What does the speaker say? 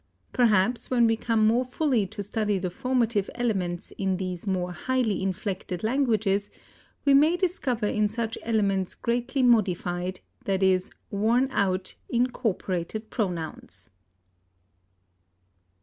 Perhaps, when we come more fully to study the formative elements in these more highly inflected languages, we may discover in such elements greatly modified, i.e., worn out, incorporated pronouns.